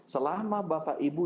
selama bapak ibu